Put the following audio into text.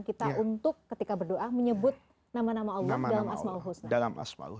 kita untuk ketika berdoa menyebut nama nama allah dalam asma'ul husna